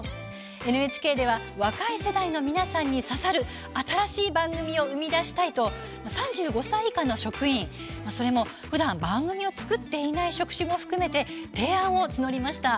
ＮＨＫでは若い世代の皆さんに刺さる新しい番組を生み出したいと３５歳以下の職員それもふだん番組を作っていない職種も含めて提案を募りました。